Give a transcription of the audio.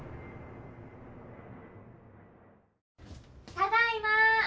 ・ただいま！